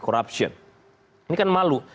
corruption ini kan malu